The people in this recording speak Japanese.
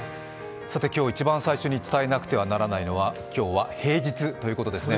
今日一番最初に伝えなくてはならないのは今日は平日ということですね。